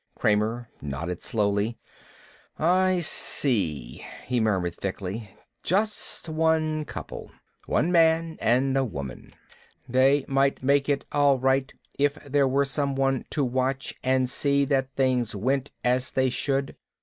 Kramer nodded slowly. "I see," he murmured thickly. "Just one couple. One man and woman." "They might make it all right, if there were someone to watch and see that things went as they should.